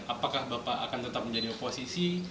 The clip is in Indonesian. apakah bapak akan tetap menjadi oposisi